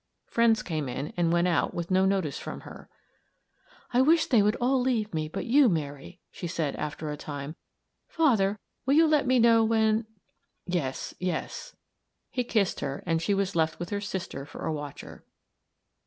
Friends came in and went out with no notice from her. "I wish they would all leave me but you, Mary," she said, after a time. "Father, you will let me know when " "Yes yes." He kissed her, and she was left with her sister for a watcher.